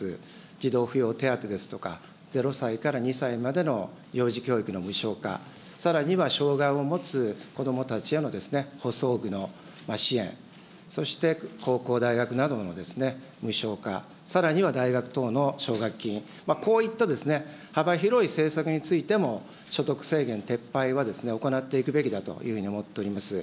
児童扶養手当ですとか、０歳から２歳までの幼児教育の無償化、さらには障害を持つ子どもたちへの補装具の支援、そして高校、大学などの無償化、さらには大学等の奨学金、こういった幅広い政策についても、所得制限撤廃は行っていくべきだというふうに思っております。